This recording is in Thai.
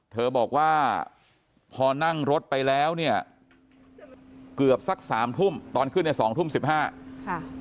เธอบอกว่าพอนั่งรถไปแล้วเนี่ยเกือบสักสามทุ่มตอนขึ้นในสองทุ่มสิบห้าค่ะ